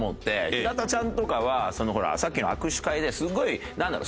平田ちゃんとかはほらさっきの握手会ですごいなんだろう